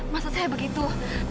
maksud saya begitu